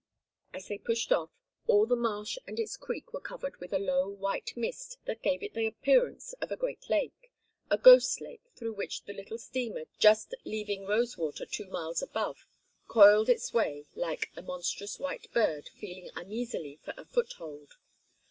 As they pushed off, all the marsh and its creek was covered with a low white mist that gave it the appearance of a great lake, a ghost lake through which the little steamer just leaving Rosewater two miles above coiled its way like a monstrous white bird feeling uneasily for a foothold.